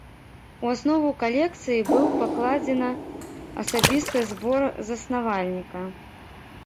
У аснову калекцыі быў пакладзена асабісты збор заснавальніка.